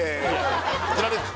こちらです